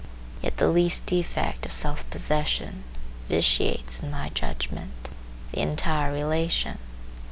Yet the least defect of self possession vitiates, in my judgment, the entire relation.